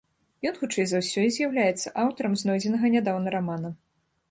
Ён, хутчэй за ўсё, і з'яўляецца аўтарам знойдзенага нядаўна рамана.